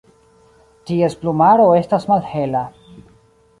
Ties plumaro estas malhela.